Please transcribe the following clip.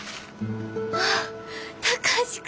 ああ貴司君。